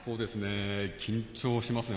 緊張しますね。